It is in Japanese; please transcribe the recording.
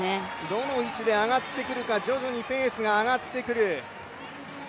どの位置で上がってくるか徐々にペースが上がってくる。